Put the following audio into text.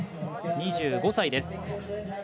２５歳です。